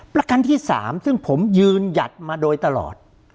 ประกันที่๓ซึ่งผมยืนหยัดมาโดยตลอด